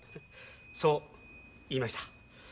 そう言いました。